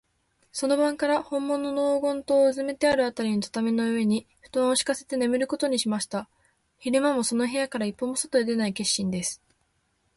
その晩から、ほんものの黄金塔のうずめてあるあたりの畳の上に、ふとんをしかせてねむることにしました。昼間も、その部屋から一歩も外へ出ない決心です。